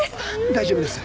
大丈夫です。